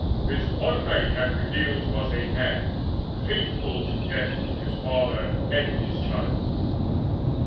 This one night hath revealed to us a man Faithful to death to his father and his child."